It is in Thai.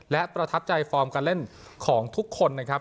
และประทับใจฟอร์มการเล่นของทุกคนนะครับ